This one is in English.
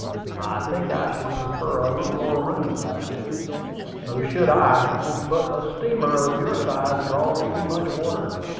"I think I should prefer a little more room," I added. "So should I; but a steamer of your size draws too much water.